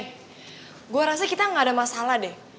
gue rasa kita gak ada masalah deh